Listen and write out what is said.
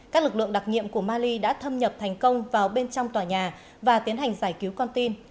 các lực lượng đặc nhiệm của mali đã thâm nhập thành công vào bên trong tòa nhà và tiến hành giải cứu con tin